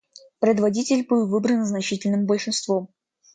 Предводитель был выбран значительным большинством.